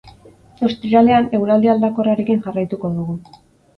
Ostiralean, eguraldi aldakorrarekin jarraituko dugu.